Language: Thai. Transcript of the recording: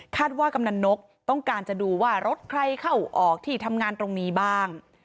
ว่ากำนันนกต้องการจะดูว่ารถใครเข้าออกที่ทำงานตรงนี้บ้าง